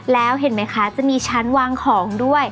แล้วเห็นไหมคะจะมีชั้นวางของด้วย